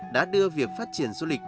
đã đưa việc phát triển du lịch